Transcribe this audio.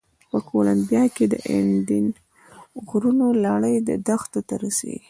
په کولمبیا کې د اندین غرونو لړۍ دښتو ته رسېږي.